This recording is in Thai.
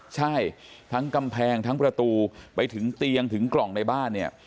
ใช่ทั้งกำแพงทั้งประตูไปถึงเตียงถึงกล่องในบ้านเนี่ย